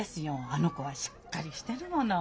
あの子はしっかりしてるもの。